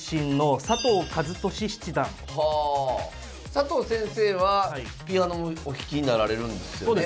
佐藤先生はピアノもお弾きになられるんですよね。